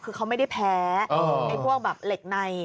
คือเขาไม่ได้แพ้ไอ้พวกแบบเหล็กใน